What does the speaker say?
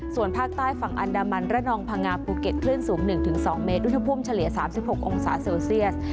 ส่วนภาคใต้ฝั่งอันดามันระนองพังงาภูเก็ตคลื่นสูง๑๒เมตรอุณหภูมิเฉลี่ย๓๖องศาเซลเซียส